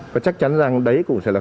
và chắc chắn rằng đấy cũng sẽ là